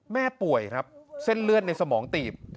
แม่ป่วยครับเส้นเลือดในสมองตีบ